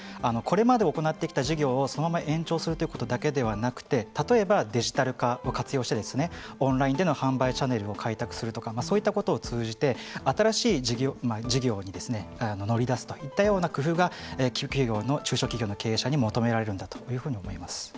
これまで行ってきた事業をそのまま延長するということだけではなくて例えば、デジタル化を活用してオンラインでの販売チャネルを開拓するとかそういったことを通じて新しい事業に乗り出すといったような工夫が中小企業の経営者に求められるんだと思います。